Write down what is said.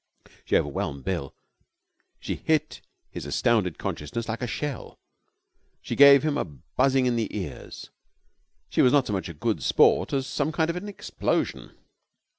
She overwhelmed Bill. She hit his astounded consciousness like a shell. She gave him a buzzing in the ears. She was not so much a Good Sport as some kind of an explosion.